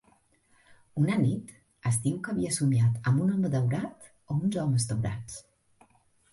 Una nit, es diu que havia somiat amb un home daurat o uns homes daurats.